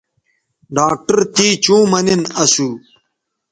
ڈاکٹر تے چوں مہ نین اسو